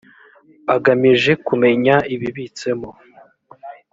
agamije kumenya ibibitsemo